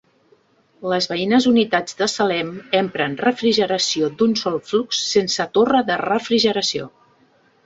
Les veïnes unitats de Salem empren refrigeració d'un sol flux sense torre de refrigeració.